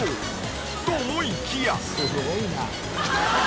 ［と思いきや］